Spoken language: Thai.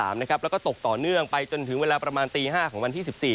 แล้วก็ตกต่อเนื่องไปจนถึงเวลาประมาณตี๕ของวันที่๑๔